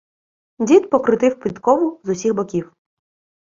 Дід покрутив підкову з усіх боків.